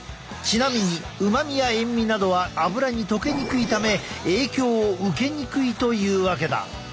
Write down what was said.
ちなみに旨味や塩味などはアブラに溶けにくいため影響を受けにくいというわけだ。